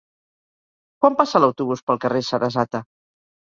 Quan passa l'autobús pel carrer Sarasate?